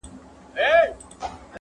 بریالی له هر میدانi را وتلی-